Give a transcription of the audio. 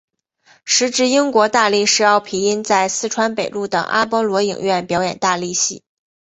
时值英国大力士奥皮音在四川北路的阿波罗影院表演大力戏。